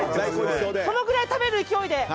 そのくらい食べる勢いで。